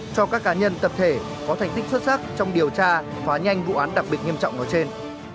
cho các cá nhân tập thể có thành tích xuất sắc trong điều tra phá nhanh vụ án đặc biệt nghiêm trọng nói trên